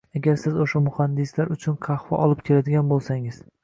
agar siz oʻsha muhandislar uchun qahva olib keladigan boʻlsangiz ham